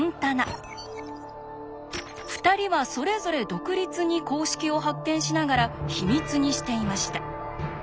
２人はそれぞれ独立に公式を発見しながら秘密にしていました。